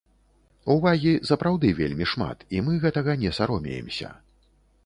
Увагі сапраўды вельмі шмат, і мы гэтага не саромеемся.